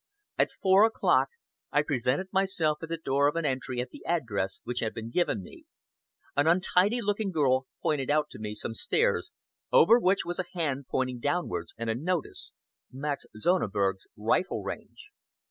At four o'clock I presented myself at the door of an entry at the address which had been given me. An untidy looking girl pointed out to me some stairs, over which was a hand pointing downwards, and a notice "MAX SONNEBERG'S RIFLE RANGE."